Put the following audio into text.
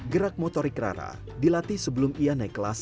gerak motorik rara dilatih sebelum ia naik kelas